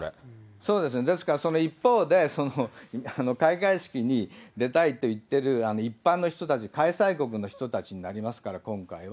そうですね、ですから一方で、開会式に出たいと言ってる一般の人たち、開催国の人たちになりますから、今回は。